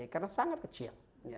karena sangat kecil